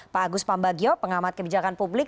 pak agus pambagio pengamat kebijakan publik